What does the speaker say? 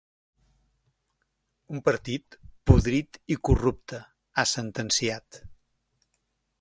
Un partit ‘podrit i corrupte’, ha sentenciat.